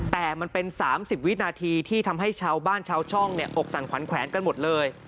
แต่มันเป็น๓๐วินาทีที่ทำให้ชาวบ้านชาวช่องอกสั่นขวัญแขวนกันหมดเลย